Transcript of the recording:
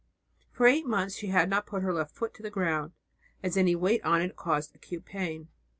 For eight months she had not put her left foot to the ground, as any weight on it caused acute pain.